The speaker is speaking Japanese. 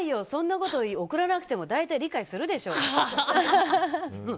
そんなこと送らなくても大体、理解するでしょ！